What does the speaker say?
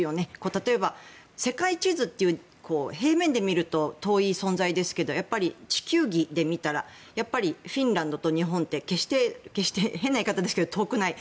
例えば、世界地図平面で見ると遠い存在ですけどやっぱり地球儀で見たらフィンランドと日本って決して変な言い方ですけど、遠くない。